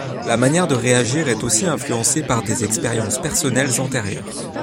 La manière de réagir est aussi influencée par des expériences personnelles antérieures.